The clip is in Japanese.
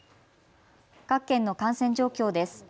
各県の感染状況です。